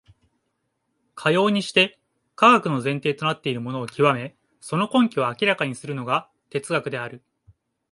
かようにして科学の前提となっているものを究め、その根拠を明らかにするのが哲学である。